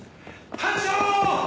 班長！